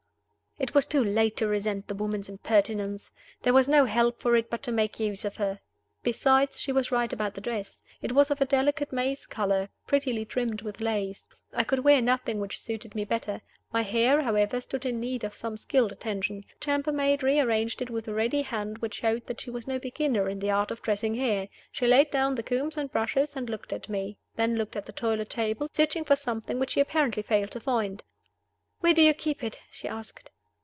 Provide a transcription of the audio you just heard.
It was too late to resent the woman's impertinence. There was no help for it but to make use of her. Besides, she was right about the dress. It was of a delicate maize color, prettily trimmed with lace. I could wear nothing which suited me better. My hair, however, stood in need of some skilled attention. The chambermaid rearranged it with a ready hand which showed that she was no beginner in the art of dressing hair. She laid down the combs and brushes, and looked at me; then looked at the toilet table, searching for something which she apparently failed to find. "Where do you keep it?" she asked.